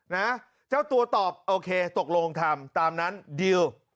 นะเจ้าตัวตอบโอเคตกลงทำตามนั้นดิว